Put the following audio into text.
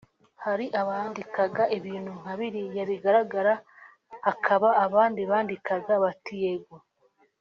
Hari abandikaga ibintu nka biriya bigaragara hakaba abandi bandikaga bati ‘Yego